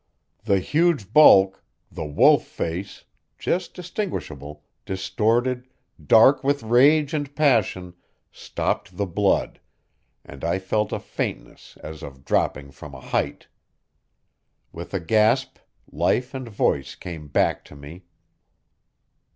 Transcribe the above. The huge bulk, the wolf face, just distinguishable, distorted, dark with rage and passion, stopped the blood, and I felt a faintness as of dropping from a height. With a gasp, life and voice came back to me.